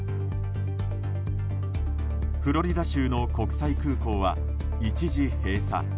フロリダ州の国際空港は一時閉鎖。